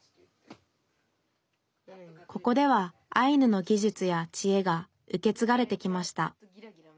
ここではアイヌの技術やちえが受け継がれてきました。